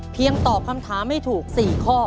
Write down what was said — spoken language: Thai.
เพียงตอบคำถามไม่ถูก๔ข้อ